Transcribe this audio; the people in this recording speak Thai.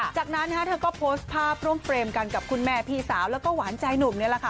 จากนั้นเธอก็โพสต์ภาพร่วมเฟรมกันกับคุณแม่พี่สาวแล้วก็หวานใจหนุ่มนี่แหละค่ะ